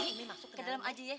nih ke dalam aja ya